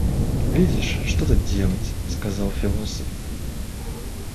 Вишь, что тут делать? — сказал философ.